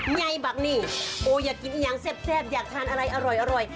ไงบักนี่โอ้อยากกินอย่างแซ่บอยากทานอะไรอร่อย